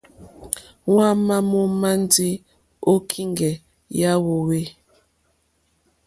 Hwámà mǒmá ndí ô kíŋgɛ̀ yà hwòhwê.